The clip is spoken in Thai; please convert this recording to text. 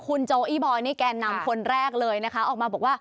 คุณโจอี้บอยนี่แก่นำคนแรกเลยนะคะออกมาบอกว่า